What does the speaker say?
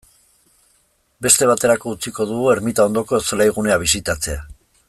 Beste baterako utziko dugu ermita ondoko zelaigunea bisitatzea.